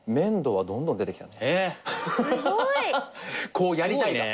「こうやりたい」が。